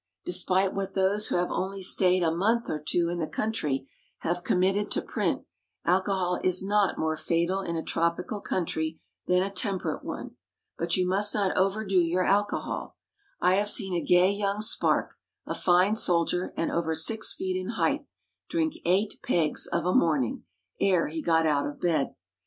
Despite what those who have only stayed a month or two in the country have committed to print, alcohol is not more fatal in a tropical country than a temperate one. But you must not overdo your alcohol. I have seen a gay young spark, a fine soldier, and over six feet in height, drink eight pegs of a morning, ere he got out of bed.